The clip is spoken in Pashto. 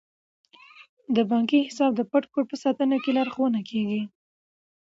د بانکي حساب د پټ کوډ په ساتنه کې لارښوونه کیږي.